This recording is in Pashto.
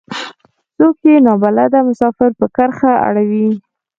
څوک يې نا بلده مسافر پر کرښه اړوي.